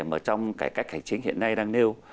mà trong cải cách hành chính hiện nay đang nêu